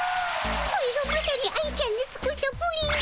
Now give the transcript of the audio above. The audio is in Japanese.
これぞまさに愛ちゃんの作ったプリンじゃ。